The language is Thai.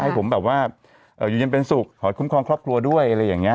ให้ผมแบบว่าอยู่เย็นเป็นสุขขอให้คุ้มครองครอบครัวด้วยอะไรอย่างนี้